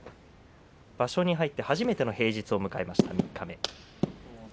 場所に入って初めての平日を迎えました三日目。